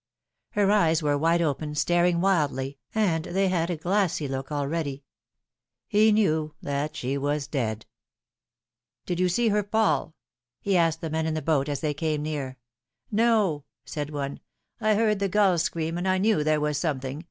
Her eyes were wide open, staring wildly, and they had a glassy look already. He knew that she was dead. 274 The Fatal Three. " Did you see her fall ?" he asked the men in the boat, as they came near. " No," said one. " I heard the gulls scream, and I knew there was something.